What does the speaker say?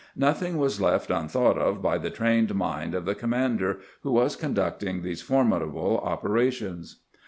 Nothing was left unthought of by the trained mind of the commander who was conducting these formidable operations.